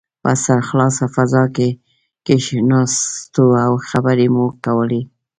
په سرخلاصه فضا کې کښېناستو او خبرې مو کولې.